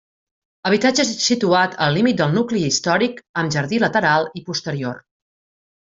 Habitatge situat al límit del nucli històric, amb jardí lateral i posterior.